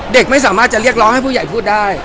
เด็กไม่สามารถจะเรียกร้องให้ผู้ใหญ่พูดได้